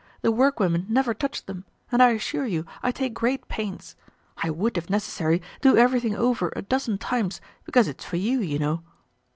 The workwomen never touch them and I assure you I take great pains. I would, if necessary, do everything over a dozen times, because it's for you, you know."